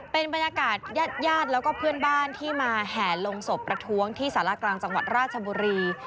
เป็นบรรยากาศญาติญาติแล้วก็เพื่อนบ้านที่มาแห่ลงศพประท้วงที่สารกลางจังหวัดราชบุรี